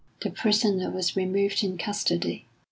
The prisoner was removed in custody.